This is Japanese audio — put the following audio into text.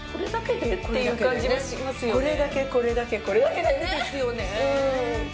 これだけこれだけこれだけでね！